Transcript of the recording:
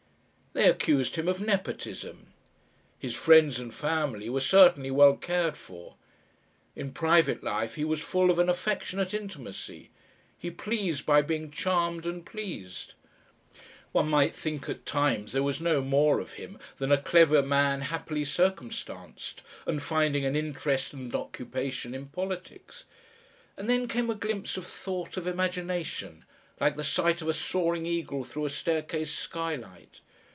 They accused him of nepotism. His friends and family were certainly well cared for. In private life he was full of an affectionate intimacy; he pleased by being charmed and pleased. One might think at times there was no more of him than a clever man happily circumstanced, and finding an interest and occupation in politics. And then came a glimpse of thought, of imagination, like the sight of a soaring eagle through a staircase skylight.